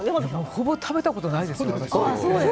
あまり食べたことないです、私。